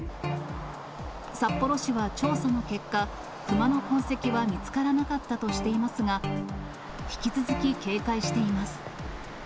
札幌市は調査の結果、クマの痕跡は見つからなかったとしていますが、引き続き警戒しています。